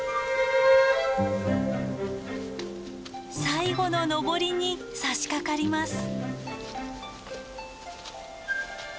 最後の登りにさしかかります。